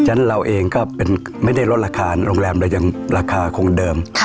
ฉะนั้นเราเองก็ไม่ได้ลดราคาโรงแรมเรายังราคาคงเดิม